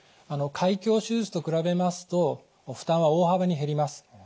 開胸手術と比べますと負担は大幅に減ります。